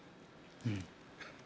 うん。